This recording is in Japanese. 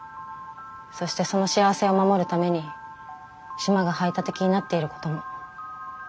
そしてその幸せを守るために島が排他的になっていることも。